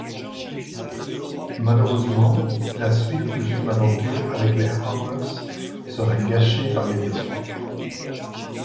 Malheureusement, la suite de son aventure avec les Hammers sera gâché par les blessures.